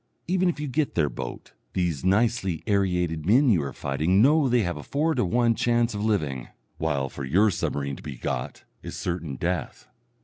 Even if you get their boat, these nicely aerated men you are fighting know they have a four to one chance of living; while for your submarine to be "got" is certain death.